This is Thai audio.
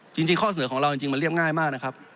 จริงข้อเสนอของเราจริงมันเรียบง่ายมากนะครับ